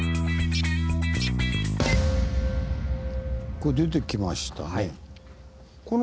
これ出てきましたね。